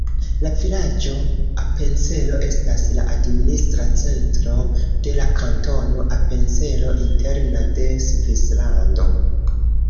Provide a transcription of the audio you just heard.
La vilaĝo Apencelo estas la administra centro de la Kantono Apencelo Interna de Svislando.